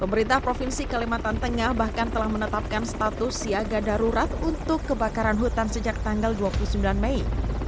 pemerintah provinsi kalimantan tengah bahkan telah menetapkan status siaga darurat untuk kebakaran hutan sejak tanggal dua puluh sembilan mei